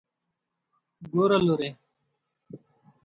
ګوره لورې.